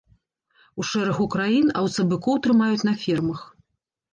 У шэрагу краін аўцабыкоў трымаюць на фермах.